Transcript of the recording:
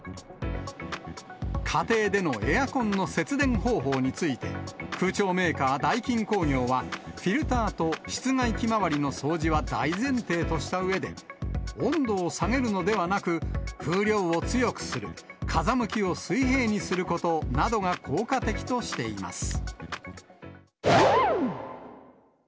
家庭でのエアコンの節電方法について、空調メーカー、ダイキン工業は、フィルターと室外機周りの掃除は大前提としたうえで、温度を下げるのではなく、風量を強くする、風向きを水平にすることなどが効果的としています。